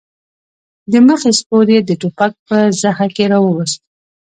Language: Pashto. د مخې سپور يې د ټوپک په زخه کې راووست.